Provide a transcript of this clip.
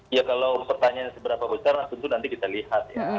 ya kalau pertanyaannya seberapa besar tentu nanti kita lihat ya